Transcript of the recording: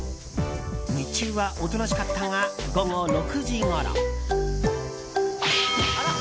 日中はおとなしかったが午後６時ごろ。